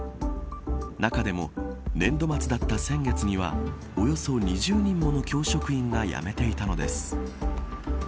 中でも、年度末だった先月にはおよそ２０人もの教職員が辞めていたのです。